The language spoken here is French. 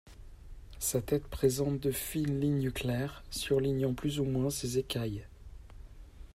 Sa tête présente de fines lignes claires surlignant plus ou moins ses écailles.